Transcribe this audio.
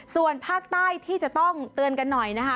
ส่วนภาคใต้ที่จะต้องเตือนกันหน่อยนะคะ